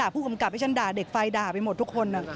ผู้กำกับให้ฉันด่าเด็กไฟด่าไปหมดทุกคน